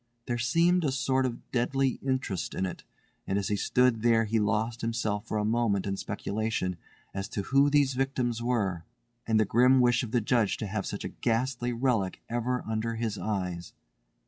There seemed a sort of deadly interest in it, and as he stood there he lost himself for a moment in speculation as to who these victims were, and the grim wish of the Judge to have such a ghastly relic ever under his eyes.